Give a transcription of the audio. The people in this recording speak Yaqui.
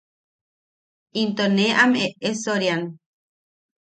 Into ne am eʼesoriam.